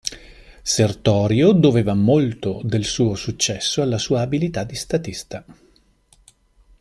Sertorio doveva molto del suo successo alla sua abilità di statista.